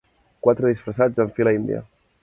Quatre disfressats en fila índia.